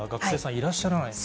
いらっしゃらないもんね。